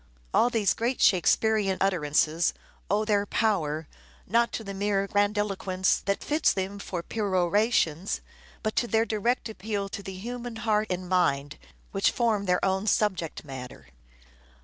All these great Shakespearean utterances owe their power, not to the mere grandilo quence that fits them for perorations, but 'to their direct appeal to the human heart and mind which 'THE TEMPEST' 509 form their own subject matter.